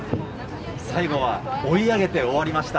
最後は追い上げて終わりました。